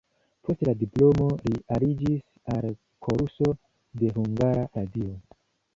Post la diplomo li aliĝis al koruso de Hungara Radio.